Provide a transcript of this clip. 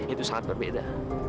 itu sangat berbeda